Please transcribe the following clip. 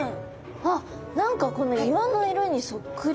あっ何かこの岩の色にそっくり！